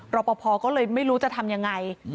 รอปภก็เลยไม่รู้จะทำยังไง